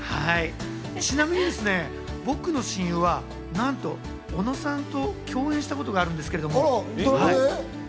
ちなみに僕の親友は、なんと尾野さんと共演したことがあるんですけれども。